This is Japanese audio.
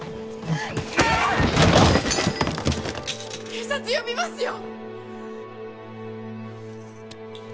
警察呼びますよ！